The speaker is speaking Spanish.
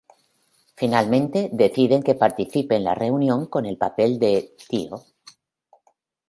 Finalmente deciden que participe en la reunión con el papel de "tío".